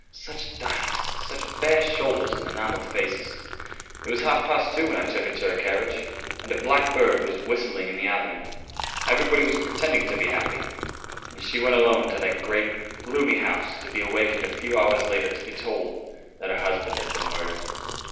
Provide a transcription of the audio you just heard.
Such diamonds; such bare shoulders and enamelled faces. It was half past two when I took her to her carriage, and a blackbird was whistling in the avenue. Everybody was pretending to be happy; and she went alone to that great, gloomy house, to be awakened a few hours later to be told that her husband had been murdered."